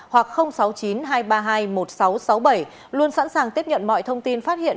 hoặc sáu mươi chín hai trăm ba mươi hai một nghìn sáu trăm sáu mươi bảy luôn sẵn sàng tiếp nhận mọi thông tin phát hiện